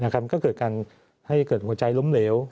ก็เกิดการให้เกิดหัวใจล้มเหลว